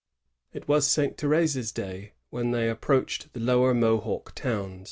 It was Saint Theresa's day when they approached the lower Mohawk town.